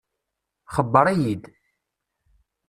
Xebbeṛ-iyi-d.